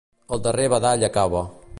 El darrer badall acaba.